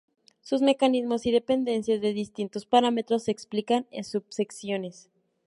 Sus mecanismos y dependencia de distintos parámetros se explican en subsecciones.